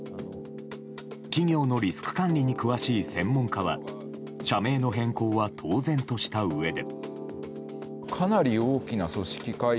企業のリスク管理に詳しい専門家は社名の変更は当然としたうえで。